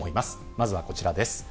まずはこちらです。